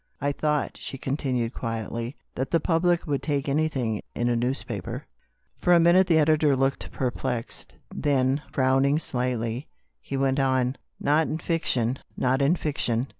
" I thought," she continued quietly, "that the public would ^Tak^anything — in a newspaper." For a~miriute the editor looked perplexed. Then, frowning slightly, he went on :" Not in fiction— not in fiction.